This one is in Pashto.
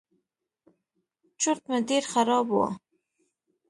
چورت مې ډېر خراب و.